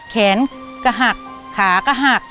แขนก็หักขาก็หัก